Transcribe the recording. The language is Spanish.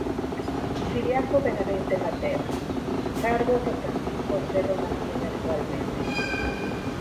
Ciriaco Benavente Mateos, cargo que Francisco Cerro mantiene actualmente.